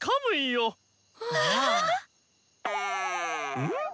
うん？